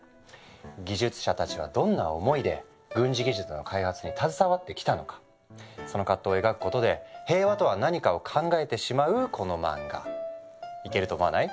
技術者たちはどんな思いで軍事技術の開発に携わってきたのかその葛藤を描くことで平和とは何かを考えてしまうこの漫画イケると思わない？